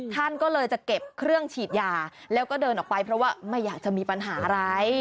ท่านก็เลยจะเก็บเครื่องฉีดยาแล้วก็เดินออกไปเพราะว่าไม่อยากจะมีปัญหาอะไร